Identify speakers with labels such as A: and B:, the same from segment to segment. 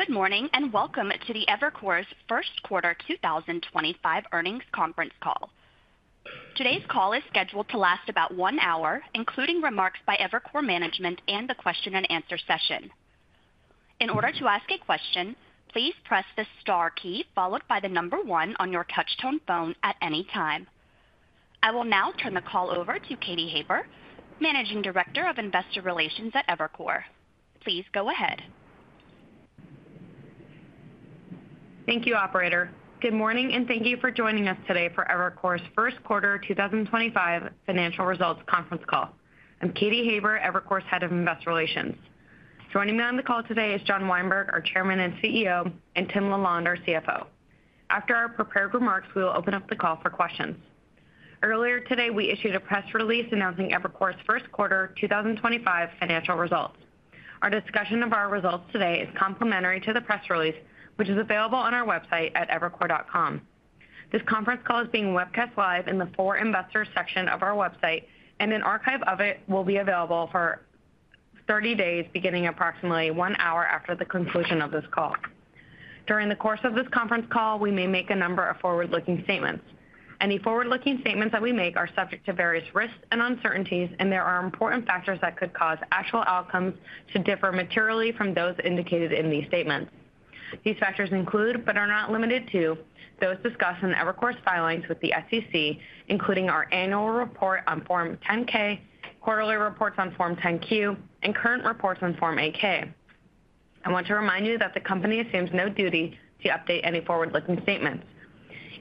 A: Good morning and welcome to Evercore's first quarter 2025 earnings conference call. Today's call is scheduled to last about one hour, including remarks by Evercore management and the question-and-answer session. In order to ask a question, please press the star key followed by the number one on your touch-tone phone at any time. I will now turn the call over to Katy Haber, Managing Director of Investor Relations at Evercore. Please go ahead.
B: Thank you, Operator. Good morning and thank you for joining us today for Evercore's first quarter 2025 financial results conference call. I'm Katy Haber, Evercore's Head of Investor Relations. Joining me on the call today is John Weinberg, our Chairman and CEO, and Tim LaLonde, our CFO. After our prepared remarks, we will open up the call for questions. Earlier today, we issued a press release announcing Evercore's first quarter 2025 financial results. Our discussion of our results today is complimentary to the press release, which is available on our website at evercore.com. This conference call is being webcast live in the For Investors section of our website, and an archive of it will be available for 30 days beginning approximately one hour after the conclusion of this call. During the course of this conference call, we may make a number of forward-looking statements. Any forward-looking statements that we make are subject to various risks and uncertainties, and there are important factors that could cause actual outcomes to differ materially from those indicated in these statements. These factors include, but are not limited to, those discussed in Evercore's filings with the SEC, including our annual report on Form 10-K, quarterly reports on Form 10-Q, and current reports on Form 8-K. I want to remind you that the company assumes no duty to update any forward-looking statements.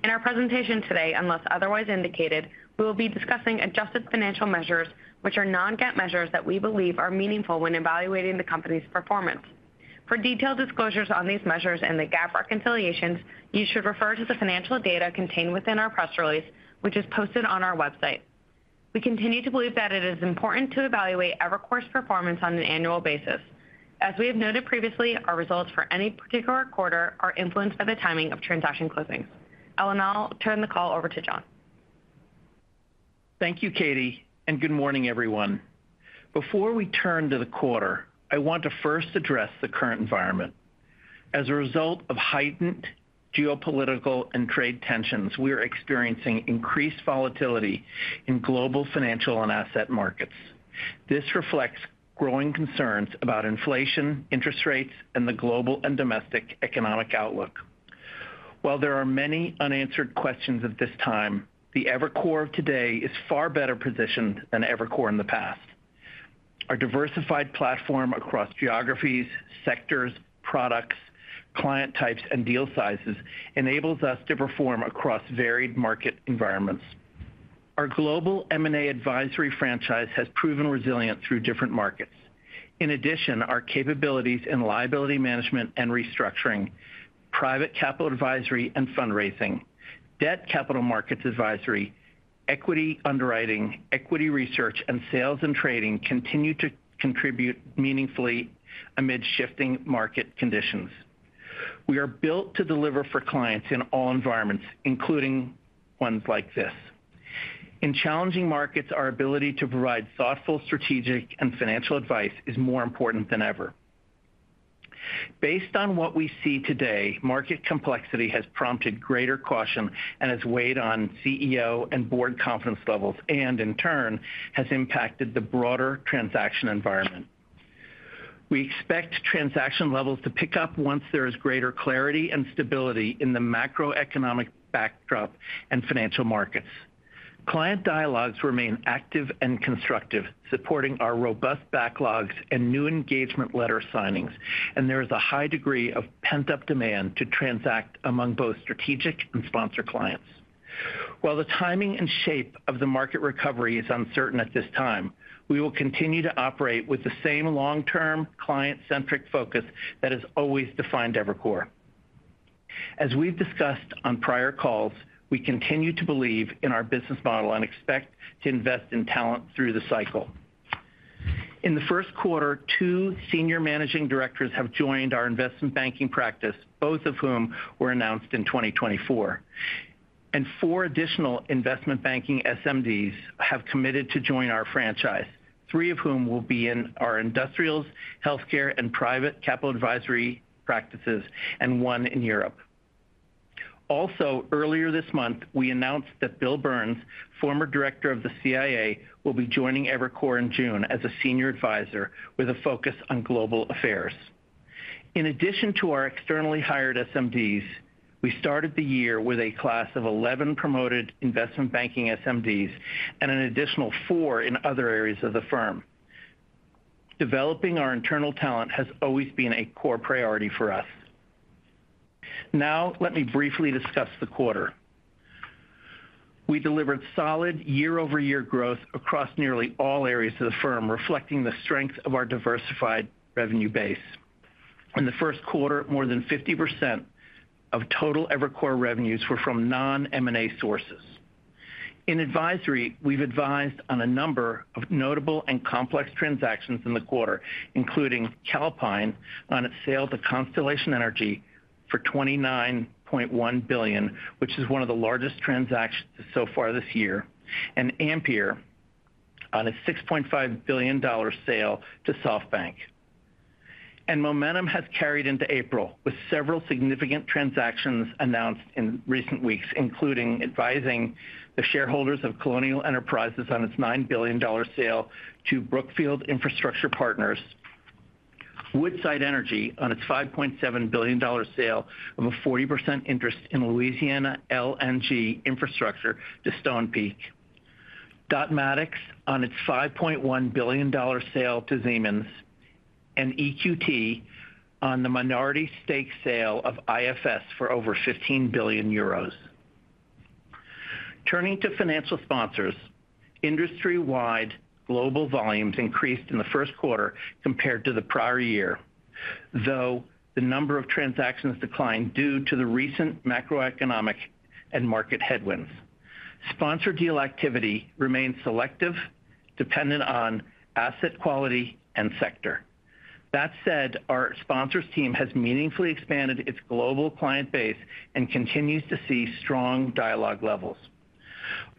B: In our presentation today, unless otherwise indicated, we will be discussing adjusted financial measures, which are non-GAAP measures that we believe are meaningful when evaluating the company's performance. For detailed disclosures on these measures and the GAAP reconciliations, you should refer to the financial data contained within our press release, which is posted on our website. We continue to believe that it is important to evaluate Evercore's performance on an annual basis. As we have noted previously, our results for any particular quarter are influenced by the timing of transaction closings. I'll now turn the call over to John.
C: Thank you, Katy, and good morning, everyone. Before we turn to the quarter, I want to first address the current environment. As a result of heightened geopolitical and trade tensions, we are experiencing increased volatility in global financial and asset markets. This reflects growing concerns about inflation, interest rates, and the global and domestic economic outlook. While there are many unanswered questions at this time, the Evercore of today is far better positioned than Evercore in the past. Our diversified platform across geographies, sectors, products, client types, and deal sizes enables us to perform across varied market environments. Our global M&A advisory franchise has proven resilient through different markets. In addition, our capabilities in liability management and restructuring, private capital advisory and fundraising, debt capital markets advisory, equity underwriting, equity research, and sales and trading continue to contribute meaningfully amid shifting market conditions. We are built to deliver for clients in all environments, including ones like this. In challenging markets, our ability to provide thoughtful, strategic, and financial advice is more important than ever. Based on what we see today, market complexity has prompted greater caution and has weighed on CEO and board confidence levels and, in turn, has impacted the broader transaction environment. We expect transaction levels to pick up once there is greater clarity and stability in the macroeconomic backdrop and financial markets. Client dialogues remain active and constructive, supporting our robust backlogs and new engagement letter signings, and there is a high degree of pent-up demand to transact among both strategic and sponsor clients. While the timing and shape of the market recovery is uncertain at this time, we will continue to operate with the same long-term client-centric focus that has always defined Evercore. As we've discussed on prior calls, we continue to believe in our business model and expect to invest in talent through the cycle. In the first quarter, two Senior Managing Directors have joined our investment banking practice, both of whom were announced in 2024, and four additional investment banking SMDs have committed to join our franchise, three of whom will be in our industrials, healthcare, and private capital advisory practices, and one in Europe. Also, earlier this month, we announced that Bill Burns, former director of the CIA, will be joining Evercore in June as a Senior Advisor with a focus on global affairs. In addition to our externally hired SMDs, we started the year with a class of 11 promoted investment banking SMDs and an additional four in other areas of the firm. Developing our internal talent has always been a core priority for us. Now, let me briefly discuss the quarter. We delivered solid year-over-year growth across nearly all areas of the firm, reflecting the strength of our diversified revenue base. In the first quarter, more than 50% of total Evercore revenues were from non-M&A sources. In advisory, we've advised on a number of notable and complex transactions in the quarter, including Calpine on its sale to Constellation Energy for $29.1 billion, which is one of the largest transactions so far this year, and Ampere on a $6.5 billion sale to SoftBank. Momentum has carried into April, with several significant transactions announced in recent weeks, including advising the shareholders of Colonial Enterprises on its $9 billion sale to Brookfield Infrastructure Partners, Woodside Energy on its $5.7 billion sale of a 40% interest in Louisiana LNG infrastructure to Stonepeak, Dotmatics on its $5.1 billion sale to Siemens, and EQT on the minority stake sale of IFS for over 15 billion euros. Turning to financial sponsors, industry-wide global volumes increased in the first quarter compared to the prior year, though the number of transactions declined due to the recent macroeconomic and market headwinds. Sponsor deal activity remained selective, dependent on asset quality and sector. That said, our sponsors team has meaningfully expanded its global client base and continues to see strong dialogue levels.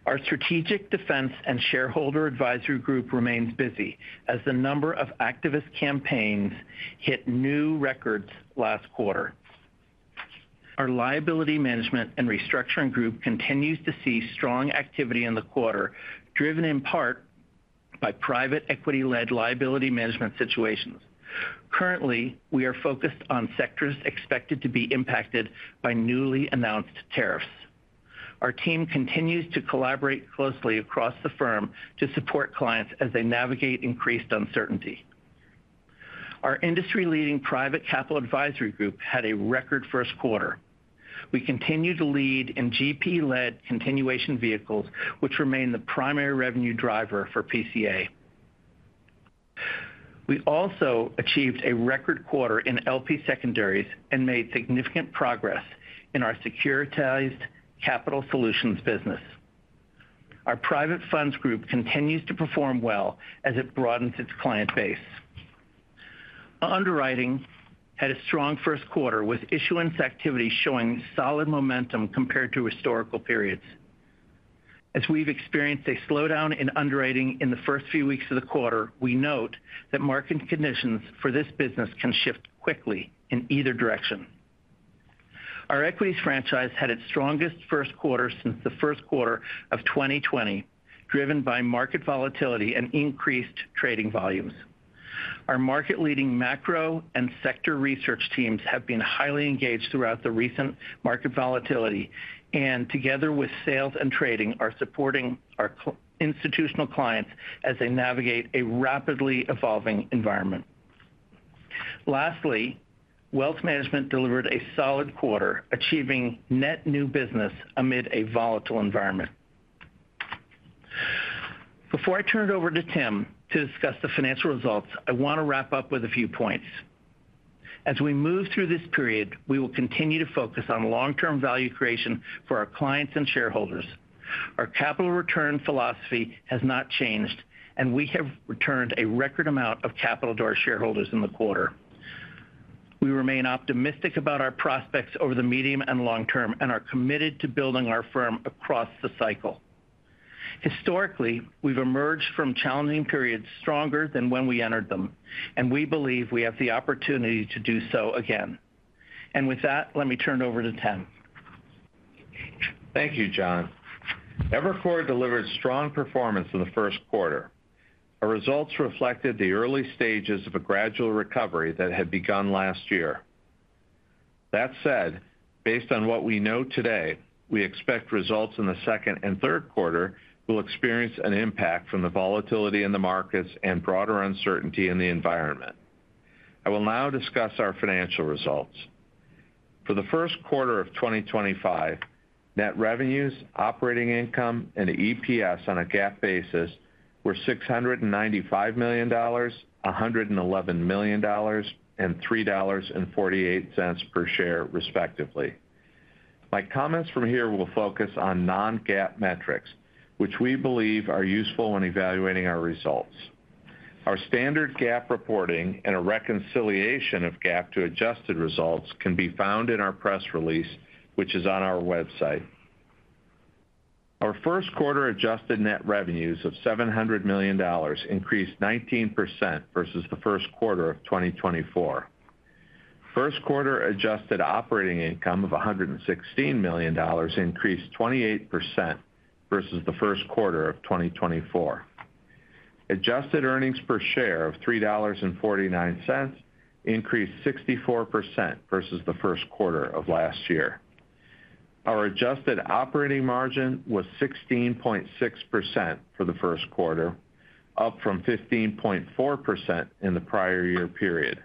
C: Our strategic defense and shareholder advisory group remains busy as the number of activist campaigns hit new records last quarter. Our liability management and restructuring group continues to see strong activity in the quarter, driven in part by private equity-led liability management situations. Currently, we are focused on sectors expected to be impacted by newly announced tariffs. Our team continues to collaborate closely across the firm to support clients as they navigate increased uncertainty. Our industry-leading private capital advisory group had a record first quarter. We continue to lead in GP-led continuation vehicles, which remain the primary revenue driver for PCA. We also achieved a record quarter in LP secondaries and made significant progress in our securitized capital solutions business. Our private funds group continues to perform well as it broadens its client base. Underwriting had a strong first quarter, with issuance activity showing solid momentum compared to historical periods. As we've experienced a slowdown in underwriting in the first few weeks of the quarter, we note that market conditions for this business can shift quickly in either direction. Our equities franchise had its strongest first quarter since the first quarter of 2020, driven by market volatility and increased trading volumes. Our market-leading macro and sector research teams have been highly engaged throughout the recent market volatility, and together with sales and trading, are supporting our institutional clients as they navigate a rapidly evolving environment. Lastly, wealth management delivered a solid quarter, achieving net new business amid a volatile environment. Before I turn it over to Tim to discuss the financial results, I want to wrap up with a few points. As we move through this period, we will continue to focus on long-term value creation for our clients and shareholders. Our capital return philosophy has not changed, and we have returned a record amount of capital to our shareholders in the quarter. We remain optimistic about our prospects over the medium and long term and are committed to building our firm across the cycle. Historically, we have emerged from challenging periods stronger than when we entered them, and we believe we have the opportunity to do so again. With that, let me turn it over to Tim.
D: Thank you, John. Evercore delivered strong performance in the first quarter. Our results reflected the early stages of a gradual recovery that had begun last year. That said, based on what we know today, we expect results in the second and third quarter will experience an impact from the volatility in the markets and broader uncertainty in the environment. I will now discuss our financial results. For the first quarter of 2025, net revenues, operating income, and EPS on a GAAP basis were $695 million, $111 million, and $3.48 per share, respectively. My comments from here will focus on non-GAAP metrics, which we believe are useful when evaluating our results. Our standard GAAP reporting and a reconciliation of GAAP to adjusted results can be found in our press release, which is on our website. Our first quarter adjusted net revenues of $700 million increased 19% versus the first quarter of 2024. First quarter adjusted operating income of $116 million increased 28% versus the first quarter of 2024. Adjusted earnings per share of $3.49 increased 64% versus the first quarter of last year. Our adjusted operating margin was 16.6% for the first quarter, up from 15.4% in the prior year period.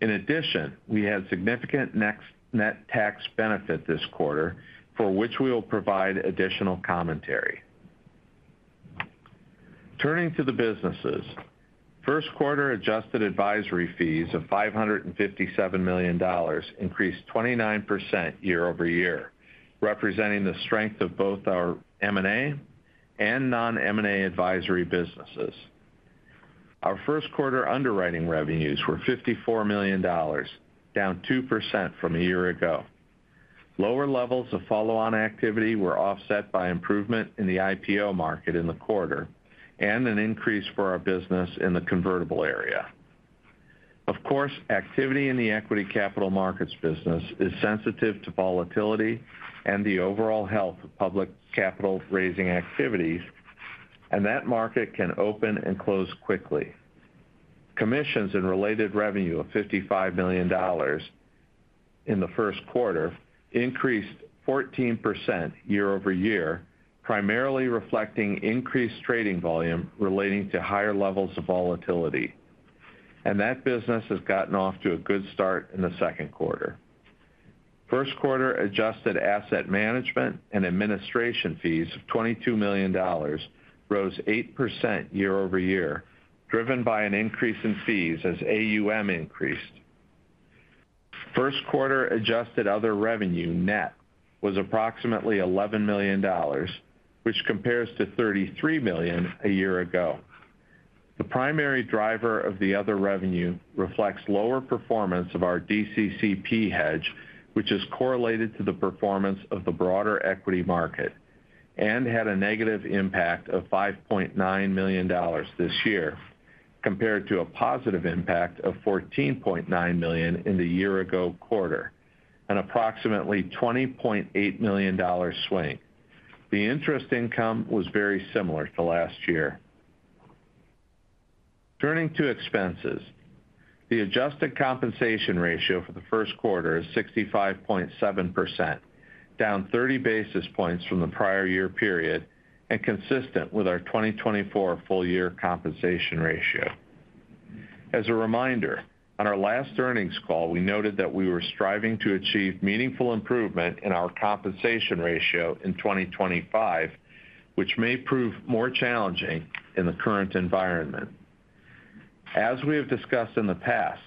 D: In addition, we had significant net tax benefit this quarter, for which we will provide additional commentary. Turning to the businesses, first quarter adjusted advisory fees of $557 million increased 29% year over year, representing the strength of both our M&A and non-M&A advisory businesses. Our first quarter underwriting revenues were $54 million, down 2% from a year ago. Lower levels of follow-on activity were offset by improvement in the IPO market in the quarter and an increase for our business in the convertible area. Of course, activity in the equity capital markets business is sensitive to volatility and the overall health of public capital-raising activities, and that market can open and close quickly. Commissions and related revenue of $55 million in the first quarter increased 14% year over year, primarily reflecting increased trading volume relating to higher levels of volatility. That business has gotten off to a good start in the second quarter. First quarter adjusted asset management and administration fees of $22 million rose 8% year over year, driven by an increase in fees as AUM increased. First quarter adjusted other revenue net was approximately $11 million, which compares to $33 million a year ago. The primary driver of the other revenue reflects lower performance of our DCCP hedge, which is correlated to the performance of the broader equity market, and had a negative impact of $5.9 million this year compared to a positive impact of $14.9 million in the year-ago quarter, an approximately $20.8 million swing. The interest income was very similar to last year. Turning to expenses, the adjusted compensation ratio for the first quarter is 65.7%, down 30 basis points from the prior year period and consistent with our 2024 full-year compensation ratio. As a reminder, on our last earnings call, we noted that we were striving to achieve meaningful improvement in our compensation ratio in 2025, which may prove more challenging in the current environment. As we have discussed in the past,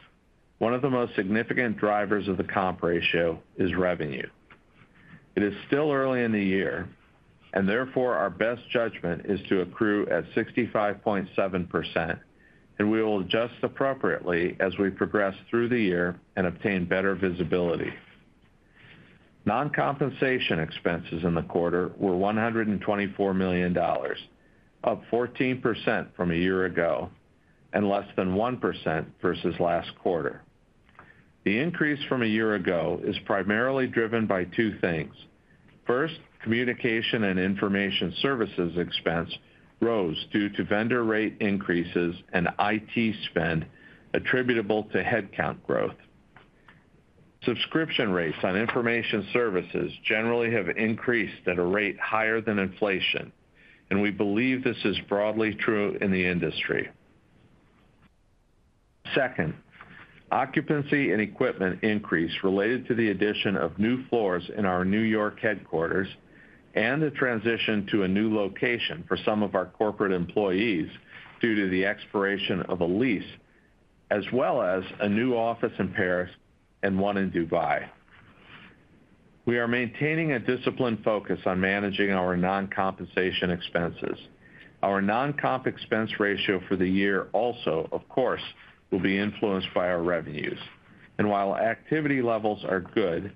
D: one of the most significant drivers of the comp ratio is revenue. It is still early in the year, and therefore our best judgment is to accrue at 65.7%, and we will adjust appropriately as we progress through the year and obtain better visibility. Non-compensation expenses in the quarter were $124 million, up 14% from a year ago and less than 1% versus last quarter. The increase from a year ago is primarily driven by two things. First, communication and information services expense rose due to vendor rate increases and IT spend attributable to headcount growth. Subscription rates on information services generally have increased at a rate higher than inflation, and we believe this is broadly true in the industry. Second, occupancy and equipment increase related to the addition of new floors in our New York headquarters and the transition to a new location for some of our corporate employees due to the expiration of a lease, as well as a new office in Paris and one in Dubai. We are maintaining a disciplined focus on managing our non-compensation expenses. Our non-comp expense ratio for the year also, of course, will be influenced by our revenues. While activity levels are good,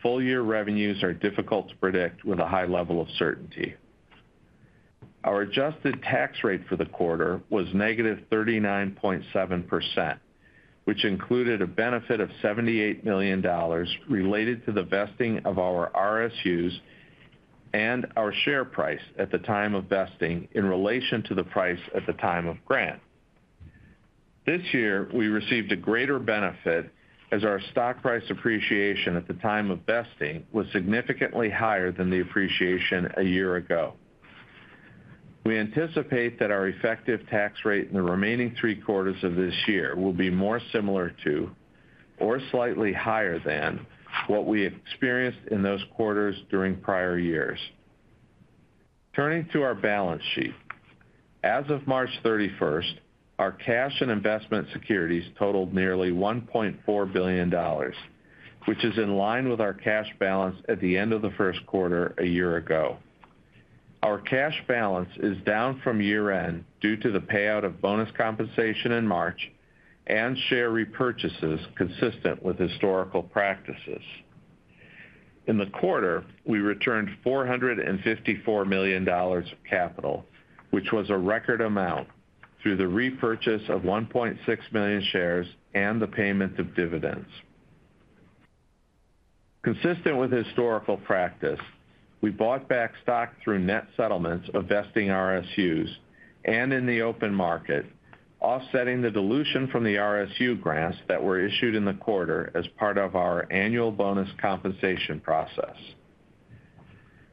D: full-year revenues are difficult to predict with a high level of certainty. Our adjusted tax rate for the quarter was negative 39.7%, which included a benefit of $78 million related to the vesting of our RSUs and our share price at the time of vesting in relation to the price at the time of grant. This year, we received a greater benefit as our stock price appreciation at the time of vesting was significantly higher than the appreciation a year ago. We anticipate that our effective tax rate in the remaining three quarters of this year will be more similar to or slightly higher than what we experienced in those quarters during prior years. Turning to our balance sheet, as of March 31, our cash and investment securities totaled nearly $1.4 billion, which is in line with our cash balance at the end of the first quarter a year ago. Our cash balance is down from year-end due to the payout of bonus compensation in March and share repurchases consistent with historical practices. In the quarter, we returned $454 million of capital, which was a record amount through the repurchase of 1.6 million shares and the payment of dividends. Consistent with historical practice, we bought back stock through net settlements of vesting RSUs and in the open market, offsetting the dilution from the RSU grants that were issued in the quarter as part of our annual bonus compensation process.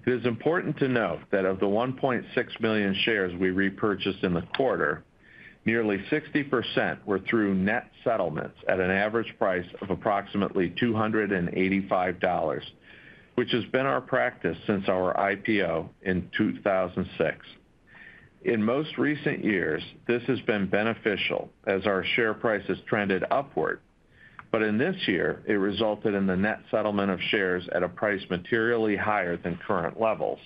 D: It is important to note that of the 1.6 million shares we repurchased in the quarter, nearly 60% were through net settlements at an average price of approximately $285, which has been our practice since our IPO in 2006. In most recent years, this has been beneficial as our share price has trended upward, but in this year, it resulted in the net settlement of shares at a price materially higher than current levels.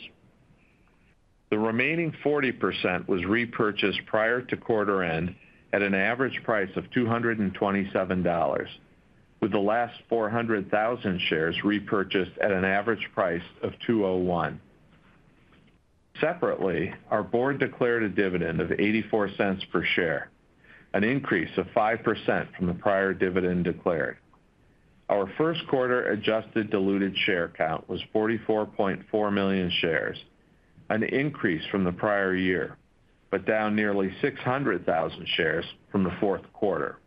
D: The remaining 40% was repurchased prior to quarter-end at an average price of $227, with the last 400,000 shares repurchased at an average price of $201. Separately, our board declared a dividend of $0.84 per share, an increase of 5% from the prior dividend declared. Our first quarter adjusted diluted share count was 44.4 million shares, an increase from the prior year, but down nearly 600,000 shares from the fourth quarter.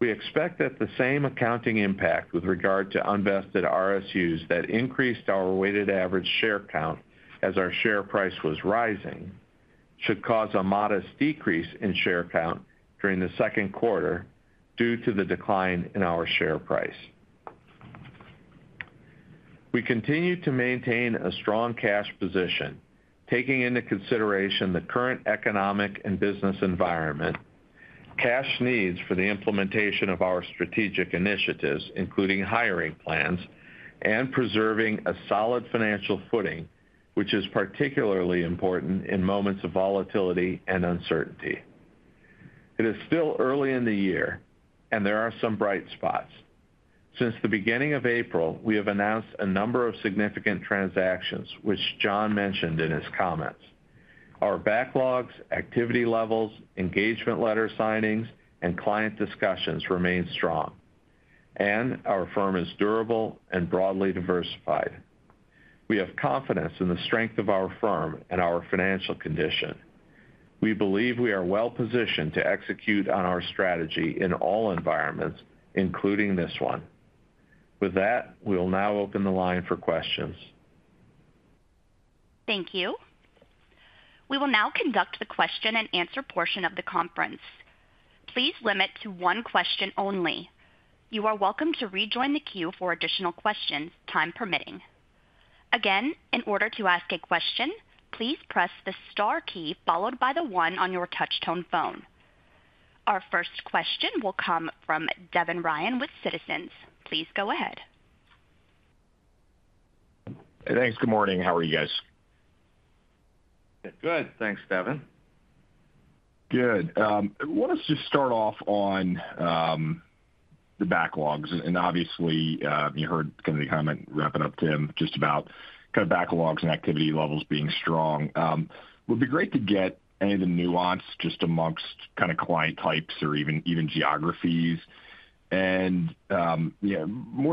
D: We expect that the same accounting impact with regard to unvested RSUs that increased our weighted average share count as our share price was rising should cause a modest decrease in share count during the second quarter due to the decline in our share price. We continue to maintain a strong cash position, taking into consideration the current economic and business environment, cash needs for the implementation of our strategic initiatives, including hiring plans, and preserving a solid financial footing, which is particularly important in moments of volatility and uncertainty. It is still early in the year, and there are some bright spots. Since the beginning of April, we have announced a number of significant transactions, which John mentioned in his comments. Our backlogs, activity levels, engagement letter signings, and client discussions remain strong, and our firm is durable and broadly diversified. We have confidence in the strength of our firm and our financial condition. We believe we are well-positioned to execute on our strategy in all environments, including this one. With that, we will now open the line for questions.
A: Thank you. We will now conduct the question-and-answer portion of the conference. Please limit to one question only. You are welcome to rejoin the queue for additional questions, time permitting. Again, in order to ask a question, please press the star key followed by the one on your touch-tone phone. Our first question will come from Devin Ryan with Citizens. Please go ahead.
E: Hey, thanks. Good morning. How are you guys?
D: Good. Thanks, Devin.
F: Good. I want us to just start off on the backlogs. Obviously, you heard kind of the comment wrapping up, Tim, just about kind of backlogs and activity levels being strong. It would be great to get any of the nuance just amongst kind of client types or even geographies. More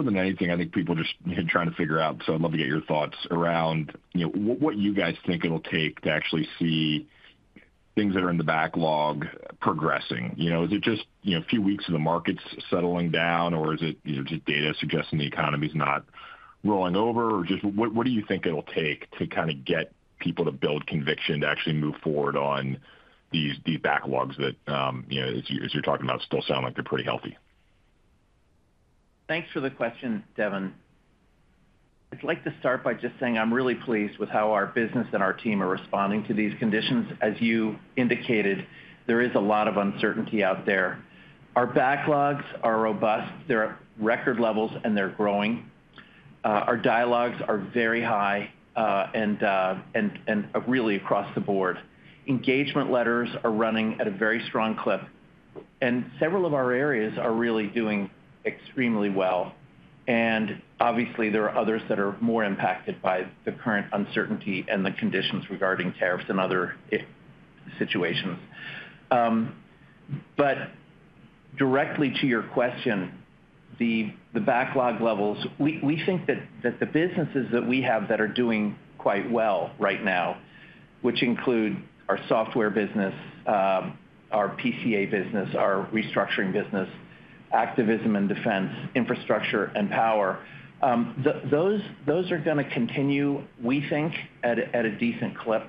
F: than anything, I think people are just trying to figure out, so I'd love to get your thoughts around what you guys think it'll take to actually see things that are in the backlog progressing.
E: Is it just a few weeks of the markets settling down, or is it just data suggesting the economy's not rolling over? Just what do you think it'll take to kind of get people to build conviction to actually move forward on these backlogs that, as you're talking about, still sound like they're pretty healthy?
C: Thanks for the question, Devin. I'd like to start by just saying I'm really pleased with how our business and our team are responding to these conditions. As you indicated, there is a lot of uncertainty out there. Our backlogs are robust. They're at record levels, and they're growing. Our dialogues are very high and really across the board. Engagement letters are running at a very strong clip. Several of our areas are really doing extremely well. Obviously, there are others that are more impacted by the current uncertainty and the conditions regarding tariffs and other situations. Directly to your question, the backlog levels, we think that the businesses that we have that are doing quite well right now, which include our software business, our PCA business, our restructuring business, activism and defense, infrastructure and power, those are going to continue, we think, at a decent clip.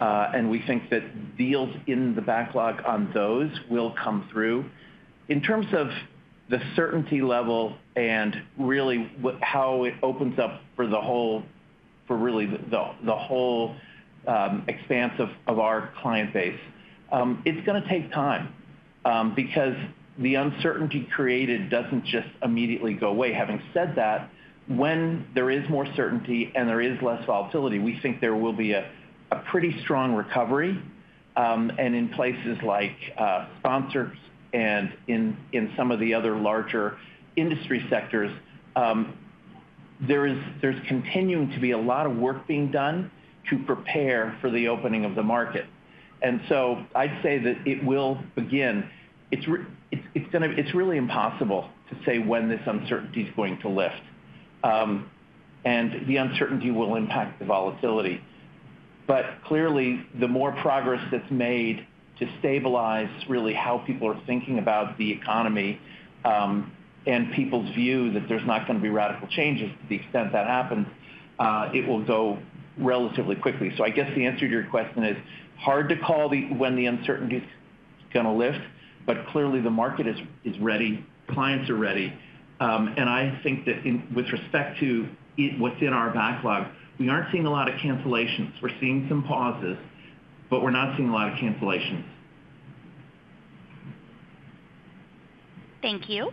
C: We think that deals in the backlog on those will come through. In terms of the certainty level and really how it opens up for really the whole expanse of our client base, it's going to take time because the uncertainty created doesn't just immediately go away. Having said that, when there is more certainty and there is less volatility, we think there will be a pretty strong recovery. In places like sponsors and in some of the other larger industry sectors, there's continuing to be a lot of work being done to prepare for the opening of the market. I'd say that it will begin. It's really impossible to say when this uncertainty is going to lift. The uncertainty will impact the volatility. Clearly, the more progress that's made to stabilize really how people are thinking about the economy and people's view that there's not going to be radical changes to the extent that happens, it will go relatively quickly. I guess the answer to your question is hard to call when the uncertainty is going to lift, but clearly the market is ready. Clients are ready. I think that with respect to what's in our backlog, we aren't seeing a lot of cancellations. We're seeing some pauses, but we're not seeing a lot of cancellations.
A: Thank you.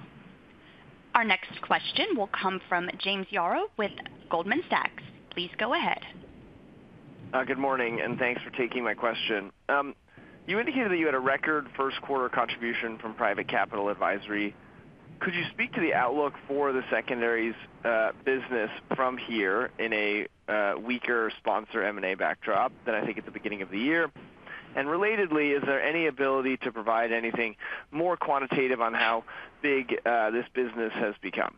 A: Our next question will come from James Yaro with Goldman Sachs. Please go ahead.
G: Good morning, and thanks for taking my question. You indicated that you had a record first-quarter contribution from private capital advisory. Could you speak to the outlook for the secondaries business from here in a weaker sponsor M&A backdrop than I think at the beginning of the year? Relatedly, is there any ability to provide anything more quantitative on how big this business has become?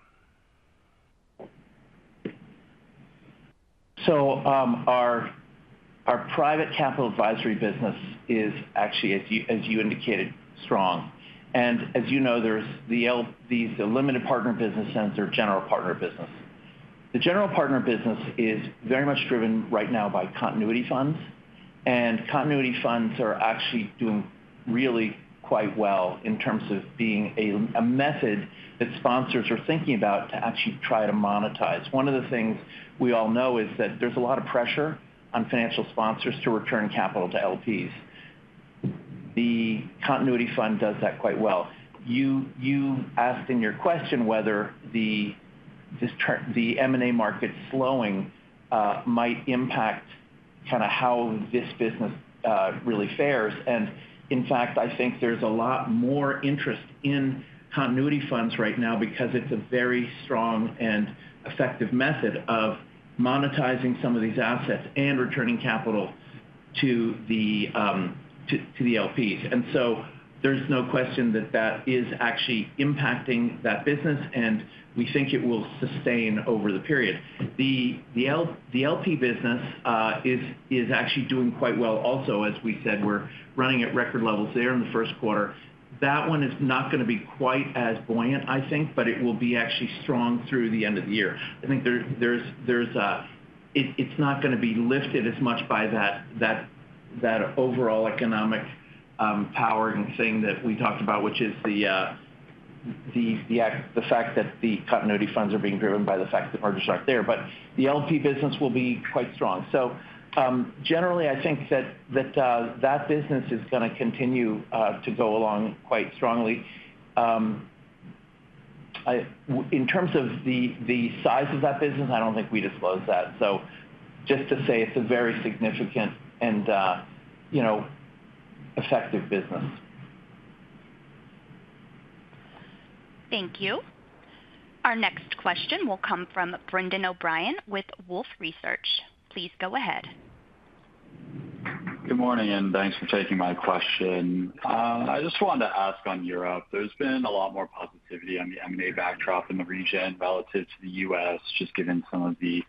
C: Our private capital advisory business is actually, as you indicated, strong. And as you know, these are limited partner businesses; they're general partner businesses. The general partner business is very much driven right now by continuity funds. And continuity funds are actually doing really quite well in terms of being a method that sponsors are thinking about to actually try to monetize. One of the things we all know is that there's a lot of pressure on financial sponsors to return capital to LPs. The continuity fund does that quite well. You asked in your question whether the M&A market slowing might impact kind of how this business really fares. In fact, I think there's a lot more interest in continuity funds right now because it's a very strong and effective method of monetizing some of these assets and returning capital to the LPs. There is no question that that is actually impacting that business, and we think it will sustain over the period. The LP business is actually doing quite well also, as we said. We are running at record levels there in the first quarter. That one is not going to be quite as buoyant, I think, but it will be actually strong through the end of the year. I think it is not going to be lifted as much by that overall economic power and thing that we talked about, which is the fact that the continuity funds are being driven by the fact that mergers are not there. The LP business will be quite strong. Generally, I think that that business is going to continue to go along quite strongly. In terms of the size of that business, I do not think we disclose that. Just to say it's a very significant and effective business.
A: Thank you. Our next question will come from Brendan O'Brien with Wolfe Research. Please go ahead.
H: Good morning, and thanks for taking my question. I just wanted to ask on Europe. There's been a lot more positivity on the M&A backdrop in the region relative to the U.S., just given some of the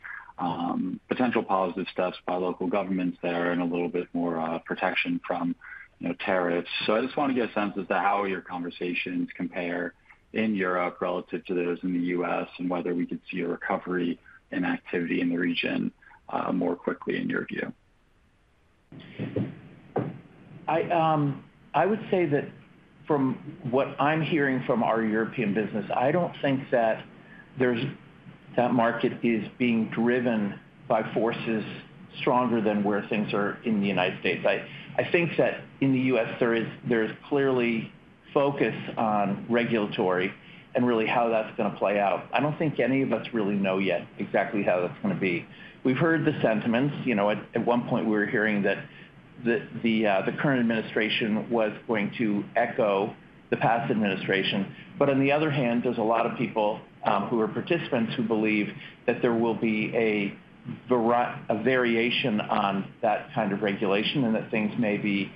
H: potential positive steps by local governments there and a little bit more protection from tariffs. I just want to get a sense as to how your conversations compare in Europe relative to those in the U.S. and whether we could see a recovery in activity in the region more quickly, in your view.
C: I would say that from what I'm hearing from our European business, I don't think that that market is being driven by forces stronger than where things are in the U.S. I think that in the U.S., there is clearly focus on regulatory and really how that's going to play out. I don't think any of us really know yet exactly how that's going to be. We've heard the sentiments. At one point, we were hearing that the current administration was going to echo the past administration. On the other hand, there's a lot of people who are participants who believe that there will be a variation on that kind of regulation and that things may be,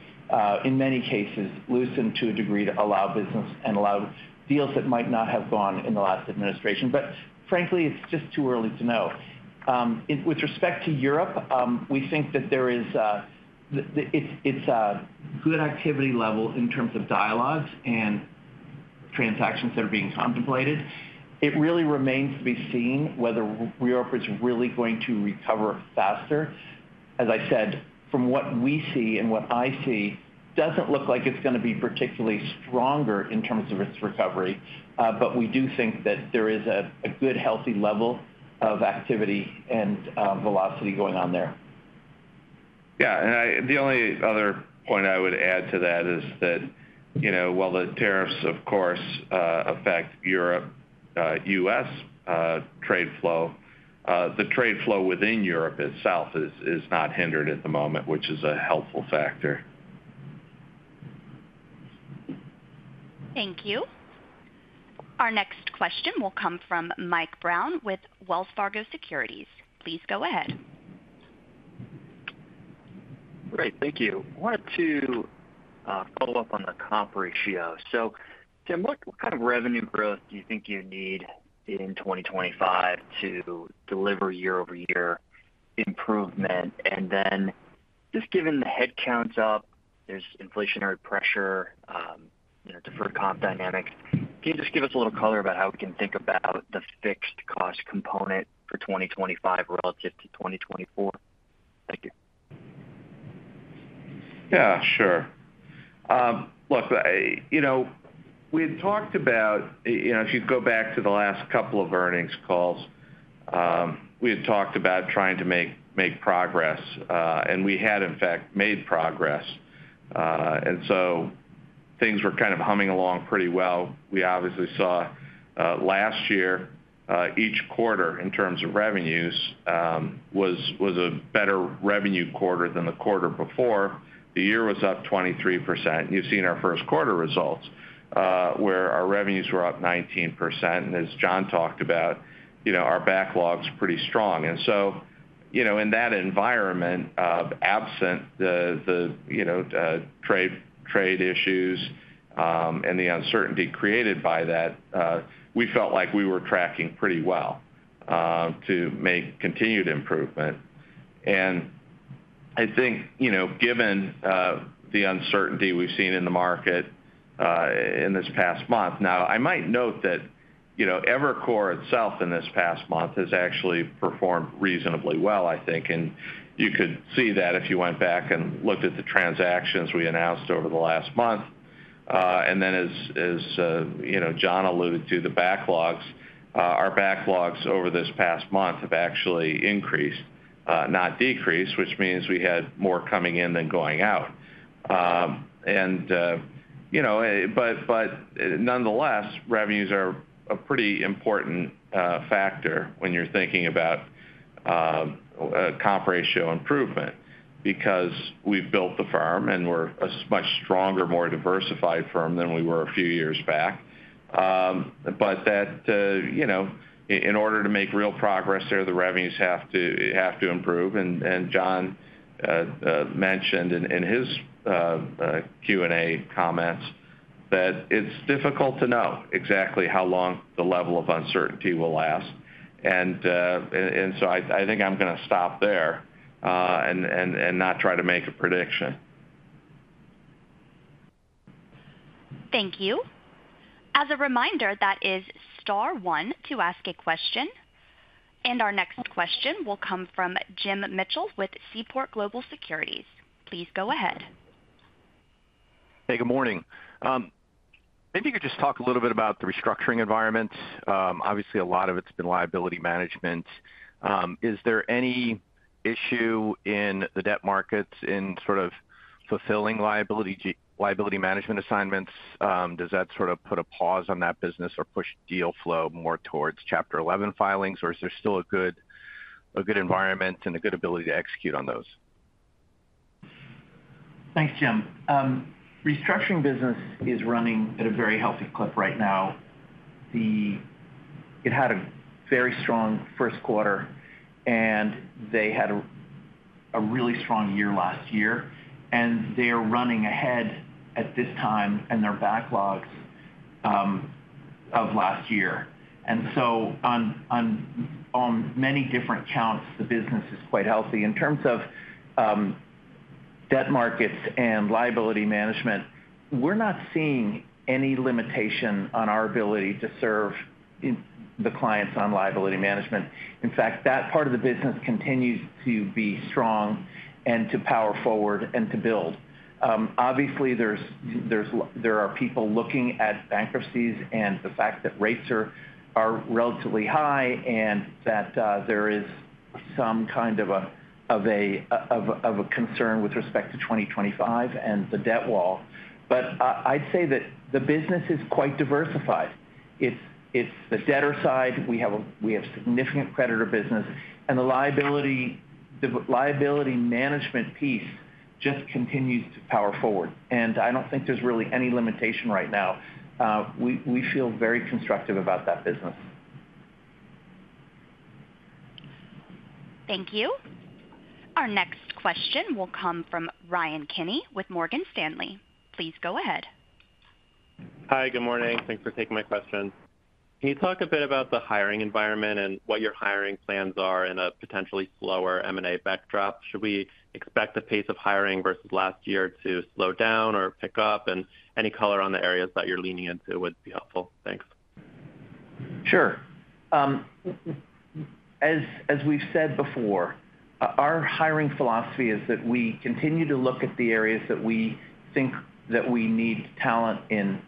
C: in many cases, loosened to a degree to allow business and allow deals that might not have gone in the last administration. Frankly, it's just too early to know. With respect to Europe, we think that it's a good activity level in terms of dialogues and transactions that are being contemplated. It really remains to be seen whether Europe is really going to recover faster. As I said, from what we see and what I see, it doesn't look like it's going to be particularly stronger in terms of its recovery. We do think that there is a good, healthy level of activity and velocity going on there.
D: Yeah. The only other point I would add to that is that while the tariffs, of course, affect Europe-U.S. trade flow, the trade flow within Europe itself is not hindered at the moment, which is a helpful factor.
A: Thank you. Our next question will come from Mike Brown with Wells Fargo Securities. Please go ahead.
I: Great. Thank you. I wanted to follow up on the comp ratio. Tim, what kind of revenue growth do you think you need in 2025 to deliver year-over-year improvement? Just given the headcount is up, there is inflationary pressure, deferred comp dynamics. Can you give us a little color about how we can think about the fixed cost component for 2025 relative to 2024? Thank you.
D: Yeah, sure. Look, we had talked about, if you go back to the last couple of earnings calls, we had talked about trying to make progress. We had, in fact, made progress. Things were kind of humming along pretty well. We obviously saw last year, each quarter in terms of revenues was a better revenue quarter than the quarter before. The year was up 23%. You've seen our first quarter results where our revenues were up 19%. As John talked about, our backlog's pretty strong. In that environment of absent the trade issues and the uncertainty created by that, we felt like we were tracking pretty well to make continued improvement. I think given the uncertainty we've seen in the market in this past month, now, I might note that Evercore itself in this past month has actually performed reasonably well, I think. You could see that if you went back and looked at the transactions we announced over the last month. As John alluded to, our backlogs over this past month have actually increased, not decreased, which means we had more coming in than going out. Nonetheless, revenues are a pretty important factor when you're thinking about comp ratio improvement because we've built the firm and we're a much stronger, more diversified firm than we were a few years back. In order to make real progress there, the revenues have to improve. John mentioned in his Q&A comments that it's difficult to know exactly how long the level of uncertainty will last. I think I'm going to stop there and not try to make a prediction.
A: Thank you. As a reminder, that is star one to ask a question. Our next question will come from Jim Mitchell with Seaport Global Securities. Please go ahead.
J: Hey, good morning. Maybe you could just talk a little bit about the restructuring environment. Obviously, a lot of it's been liability management. Is there any issue in the debt markets in sort of fulfilling liability management assignments? Does that sort of put a pause on that business or push deal flow more towards Chapter 11 filings? Or is there still a good environment and a good ability to execute on those?
C: Thanks, Jim. Restructuring business is running at a very healthy clip right now. It had a very strong first quarter, and they had a really strong year last year. They are running ahead at this time in their backlogs of last year. On many different counts, the business is quite healthy. In terms of debt markets and liability management, we're not seeing any limitation on our ability to serve the clients on liability management. In fact, that part of the business continues to be strong and to power forward and to build. Obviously, there are people looking at bankruptcies and the fact that rates are relatively high and that there is some kind of a concern with respect to 2025 and the debt wall. I'd say that the business is quite diversified. It's the debtor side. We have significant creditor business. The liability management piece just continues to power forward. I do not think there is really any limitation right now. We feel very constructive about that business.
A: Thank you. Our next question will come from Ryan Kenny with Morgan Stanley. Please go ahead.
K: Hi, good morning. Thanks for taking my question. Can you talk a bit about the hiring environment and what your hiring plans are in a potentially slower M&A backdrop? Should we expect the pace of hiring versus last year to slow down or pick up? Any color on the areas that you're leaning into would be helpful. Thanks.
C: Sure. As we've said before, our hiring philosophy is that we continue to look at the areas that we think that we need talent in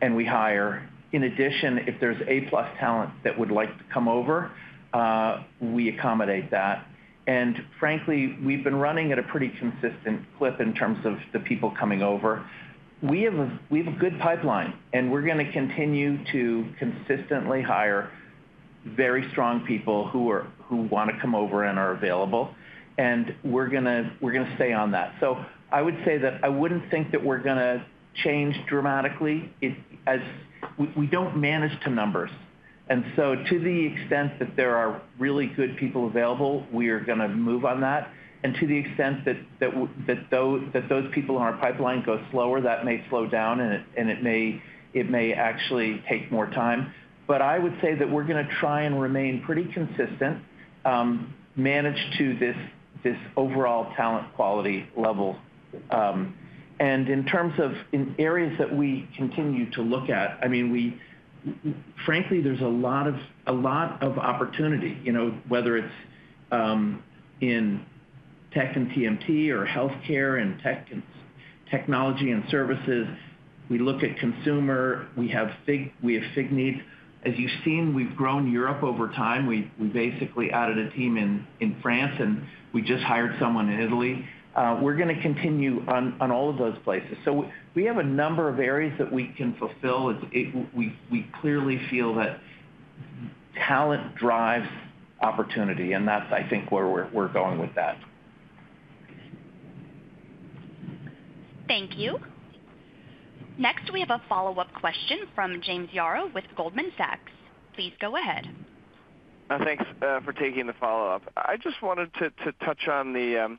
C: and we hire. In addition, if there's A-plus talent that would like to come over, we accommodate that. Frankly, we've been running at a pretty consistent clip in terms of the people coming over. We have a good pipeline, and we're going to continue to consistently hire very strong people who want to come over and are available. We're going to stay on that. I would say that I wouldn't think that we're going to change dramatically as we don't manage to numbers. To the extent that there are really good people available, we are going to move on that. To the extent that those people in our pipeline go slower, that may slow down, and it may actually take more time. I would say that we're going to try and remain pretty consistent, manage to this overall talent quality level. In terms of areas that we continue to look at, I mean, frankly, there's a lot of opportunity, whether it's in tech and TMT or healthcare and technology and services. We look at consumer. We have FIG. As you've seen, we've grown Europe over time. We basically added a team in France, and we just hired someone in Italy. We're going to continue on all of those places. We have a number of areas that we can fulfill. We clearly feel that talent drives opportunity, and that's, I think, where we're going with that.
A: Thank you. Next, we have a follow-up question from James Yarrow with Goldman Sachs. Please go ahead.
G: Thanks for taking the follow-up. I just wanted to touch on the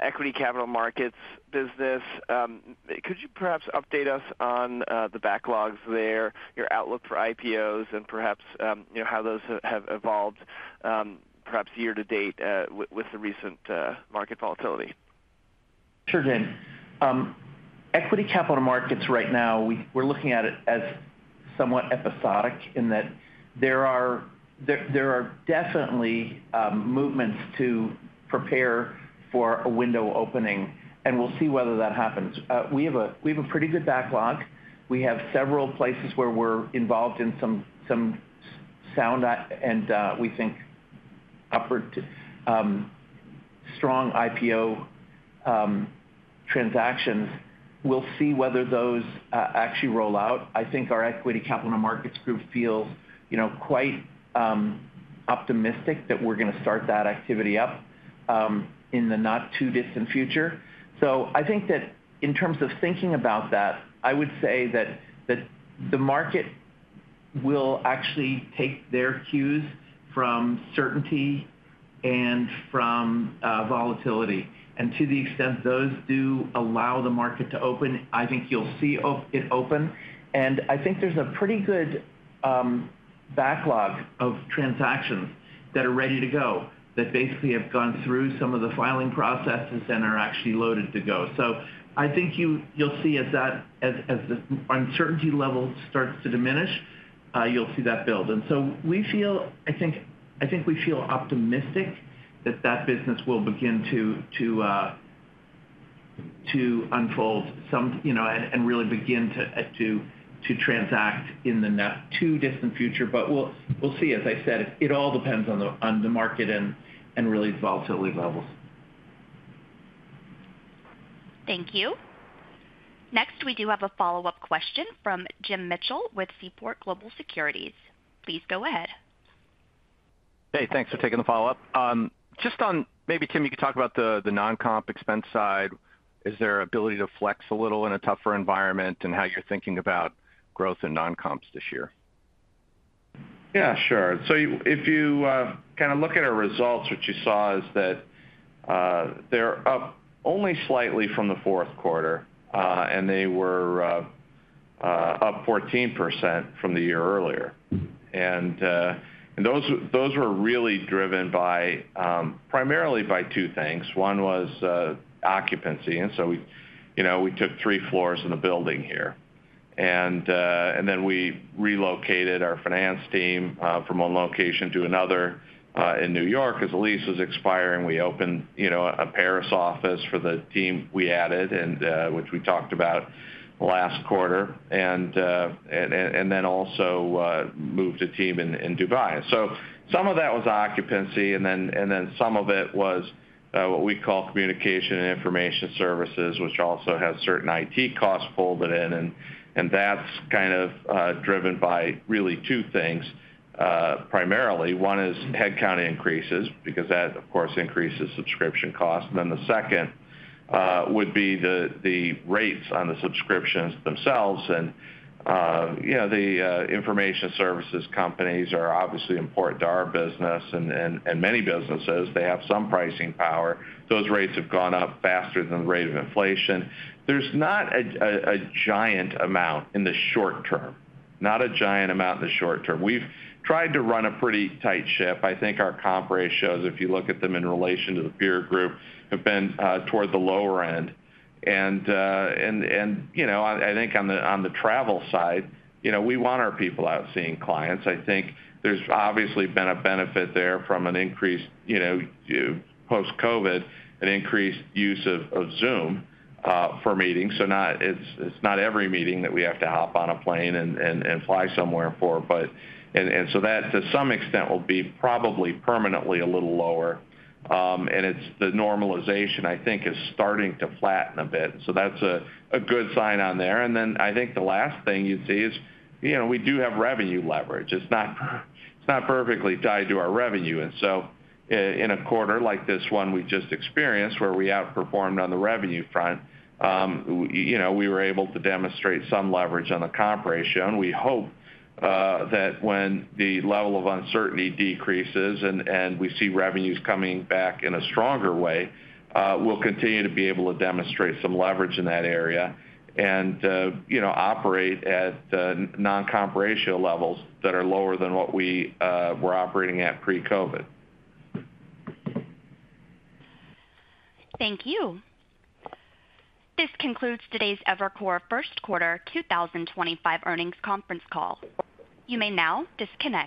G: equity capital markets business. Could you perhaps update us on the backlogs there, your outlook for IPOs, and perhaps how those have evolved, perhaps year to date with the recent market volatility?
C: Sure, Jim. Equity capital markets right now, we're looking at it as somewhat episodic in that there are definitely movements to prepare for a window opening. We will see whether that happens. We have a pretty good backlog. We have several places where we're involved in some sound and we think strong IPO transactions. We will see whether those actually roll out. I think our equity capital markets group feels quite optimistic that we're going to start that activity up in the not-too-distant future. I think that in terms of thinking about that, I would say that the market will actually take their cues from certainty and from volatility. To the extent those do allow the market to open, I think you'll see it open. I think there's a pretty good backlog of transactions that are ready to go that basically have gone through some of the filing processes and are actually loaded to go. I think you'll see as that uncertainty level starts to diminish, you'll see that build. I think we feel optimistic that that business will begin to unfold and really begin to transact in the not-too-distant future. We'll see. As I said, it all depends on the market and really volatility levels.
A: Thank you. Next, we do have a follow-up question from Jim Mitchell with Seaport Global Securities. Please go ahead.
J: Hey, thanks for taking the follow-up. Just on maybe, Tim, you could talk about the non-comp expense side. Is there ability to flex a little in a tougher environment and how you're thinking about growth in non-comps this year?
D: Yeah, sure. If you kind of look at our results, what you saw is that they're up only slightly from the fourth quarter, and they were up 14% from the year earlier. Those were really driven primarily by two things. One was occupancy. We took three floors in the building here. We relocated our finance team from one location to another in New York as the lease was expiring. We opened a Paris office for the team we added, which we talked about last quarter, and also moved a team in Dubai. Some of that was occupancy, and some of it was what we call communication and information services, which also has certain IT costs folded in. That's kind of driven by really two things primarily. One is headcount increases because that, of course, increases subscription costs. The second would be the rates on the subscriptions themselves. The information services companies are obviously important to our business and many businesses. They have some pricing power. Those rates have gone up faster than the rate of inflation. There is not a giant amount in the short term, not a giant amount in the short term. We have tried to run a pretty tight ship. I think our comp ratios, if you look at them in relation to the peer group, have been toward the lower end. I think on the travel side, we want our people out seeing clients. I think there has obviously been a benefit there from an increased post-COVID, an increased use of Zoom for meetings. It is not every meeting that we have to hop on a plane and fly somewhere for. That, to some extent, will be probably permanently a little lower. The normalization, I think, is starting to flatten a bit. That is a good sign on there. I think the last thing you'd say is we do have revenue leverage. It's not perfectly tied to our revenue. In a quarter like this one we just experienced where we outperformed on the revenue front, we were able to demonstrate some leverage on the comp ratio. We hope that when the level of uncertainty decreases and we see revenues coming back in a stronger way, we'll continue to be able to demonstrate some leverage in that area and operate at non-comp ratio levels that are lower than what we were operating at pre-COVID.
A: Thank you. This concludes today's Evercore first quarter 2025 earnings conference call. You may now disconnect.